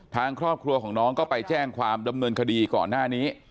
ทางครอบครัวของน้องก็ไปแจ้งความดำเนินคดีก่อนหน้านี้